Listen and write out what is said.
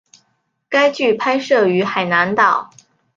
该剧拍摄于海南岛。